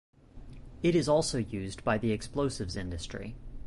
It is also used by the explosives industry.